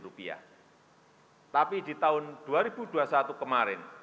tapi di tahun dua ribu dua puluh satu kemarin